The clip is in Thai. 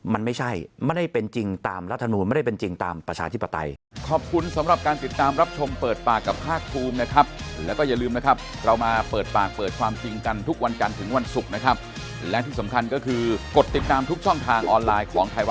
มันไม่ใช่ไม่ได้เป็นจริงตามรัฐมนูลไม่ได้เป็นจริงตามประชาธิปไตย